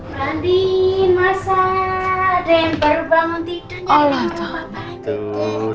mbak andin masa ada yang baru bangun tidurnya